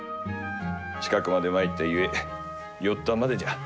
近くまで参ったゆえ寄ったまでじゃ。